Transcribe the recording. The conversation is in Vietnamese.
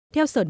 theo sở nông